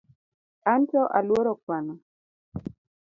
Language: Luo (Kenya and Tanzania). Anto aluoro kuano